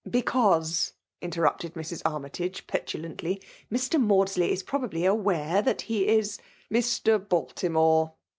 *' Because/' interrupted Mrs. Armytage, pe« 'tulantly, " Mr. Maudsley is probably aware that he is "" Mr. Baltimore